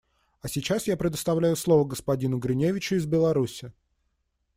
А сейчас я предоставляю слово господину Гриневичу из Беларуси.